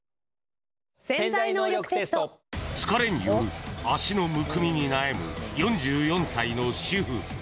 疲れによる足のむくみに悩む４４歳の主婦。